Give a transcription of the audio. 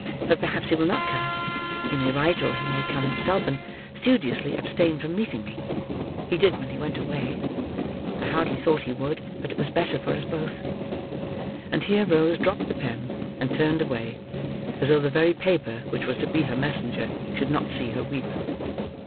But perhaps he will not come; he may write, or he may come himself, and studiously abstain from meeting me—he did when he went away. I hardly thought he would; but it was better for us both." And here Rose dropped the pen, and turned away, as though the very paper which was to be her messenger should not see her weep.